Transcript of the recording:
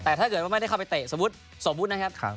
แต่ถ้าไม่ได้หัวไปเตะสมมุตินะครับ